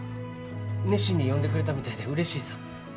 熱心に読んでくれたみたいでうれしいさ。